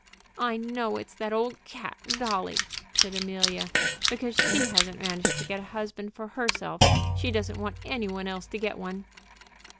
"I know it's that old cat, Dolly," said Amelia. "Because she hasn't managed to get a husband for herself, she doesn't want any one else to get one."